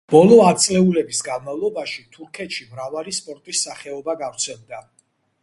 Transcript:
ბოლო ათწლეულების განმავლობაში თურქეთში მრავალი სპორტის სახეობა გავრცელდა.